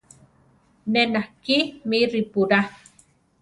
Ne nakí mí ripurá.